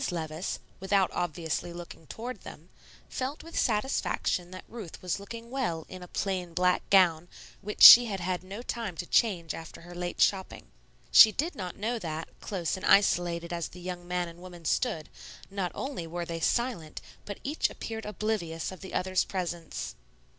Levice, without obviously looking toward them, felt with satisfaction that Ruth was looking well in a plain black gown which she had had no time to change after her late shopping. She did not know that, close and isolated as the young man and woman stood, not only were they silent, but each appeared oblivious of the other's presence.